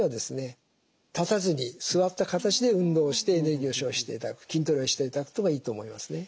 立たずに座った形で運動をしてエネルギーを消費していただく筋トレをしていただくというのがいいと思いますね。